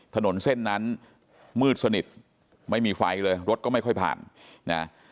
ถนนเส้นนั้นมืดสนิทไม่มีไฟเลยรถก็ไม่ค่อยผ่านนะ